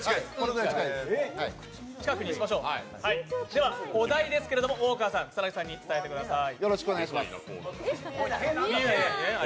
では、お題ですけども大川さん、草薙さんに伝えてください。